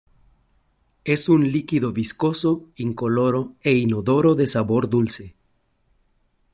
Es un líquido viscoso, incoloro e inodoro de sabor dulce.